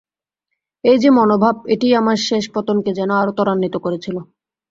এই যে মনোভাব, এটিই আমার শেষ পতনকে যেন আরো ত্বরান্বিত করেছিল।